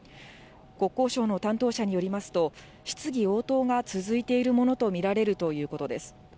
国交省の担当者によりますと、質疑応答が続いているものと見られるということです。